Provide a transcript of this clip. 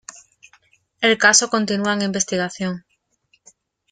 El caso continúa en investigación.